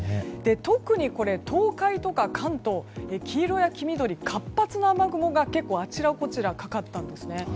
特に東海とか関東、黄色や黄緑活発な雨雲があちらこちらかかったんですね。